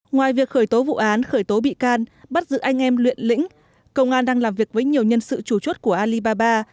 ngoài việc khởi tố vụ án khởi tố bị can bắt giữ anh em luyện lĩnh công an đang làm việc với nhiều nhân sự chủ chốt của alibaba